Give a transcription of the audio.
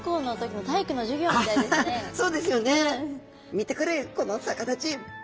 見てくれこの逆立ち。